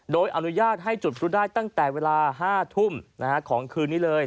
โดยอนุญาตให้จุดพลุได้ตั้งแต่เวลา๕ทุ่มของคืนนี้เลย